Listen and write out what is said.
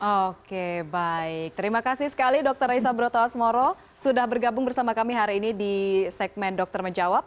oke baik terima kasih sekali dr reysa broto asmoro sudah bergabung bersama kami hari ini di segmen dokter menjawab